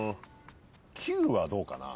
９はどうかな？